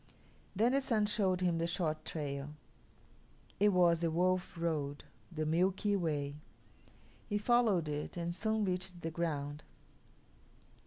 Then the Sun showed him the short trail. It was the Wolf Road the Milky Way. He followed it and soon reached the ground.